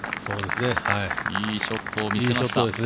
いいショットを見せました。